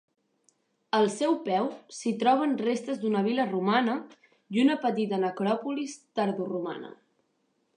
Al seu peu s'hi troben restes d'una vil·la romana i una petita necròpolis tardoromana.